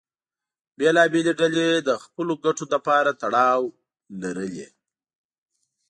بېلابېلې ډلې د خپلو ګټو لپاره تړاو لرلې.